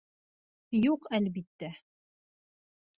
Юҡ, әлбиттә.